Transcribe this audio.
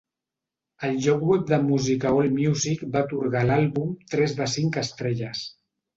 El lloc web de música AllMusic va atorgar a l'àlbum tres de cinc estrelles.